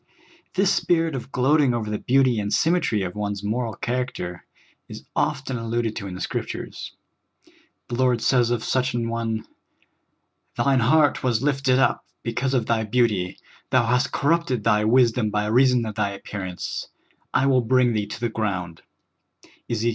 This spirit of gloating over the beauty and symmetry of one's moral character is often alluded to in the Scriptures. The Lord says of such an one :'' Thine heart was lifted up ; because of thj^ beauty thou hast corrupted thy wisdom by reason of thy ap pearance ; I will bring thee to the ground" (Bzek.